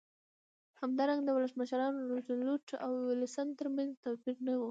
همدارنګه د ولسمشرانو روزولټ او ویلسن ترمنځ توپیر نه و.